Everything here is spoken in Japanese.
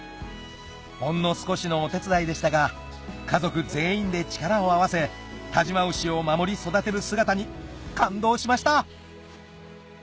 ほんの少しのお手伝いでしたが家族全員で力を合わせ但馬牛を守り育てる姿に感動しました！